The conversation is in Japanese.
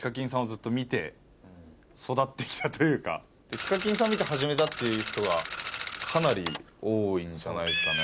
ＨＩＫＡＫＩＮさん見て始めたっていう人がかなり多いんじゃないですかね。